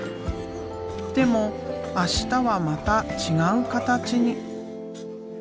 でも明日はまた違う形に。